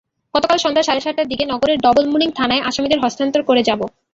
গতকাল সন্ধ্যা সাড়ে সাতটার দিকে নগরের ডবলমুরিং থানায় আসামিদের হস্তান্তর করে র্যাব।